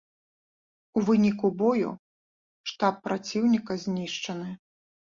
У выніку бою штаб праціўніка знішчаны.